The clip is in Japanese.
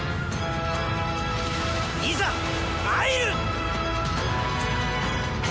いざ参る！